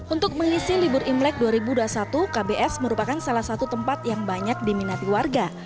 untuk mengisi libur imlek dua ribu dua puluh satu kbs merupakan salah satu tempat yang banyak diminati warga